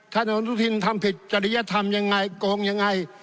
ท่านของทุกทีนทำผิดจริยธรรมยังไงกลงยังไง